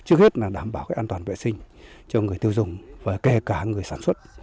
trước hết là đảm bảo cái an toàn vệ sinh cho người tiêu dùng và kể cả người sản xuất